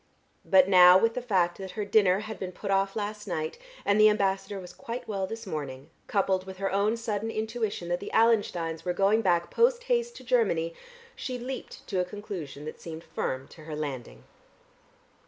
But now with the fact that her dinner had been put off last night and the ambassador was quite well this morning, coupled with her own sudden intuition that the Allensteins were going back post haste to Germany, she leaped to a conclusion that seemed firm to her landing.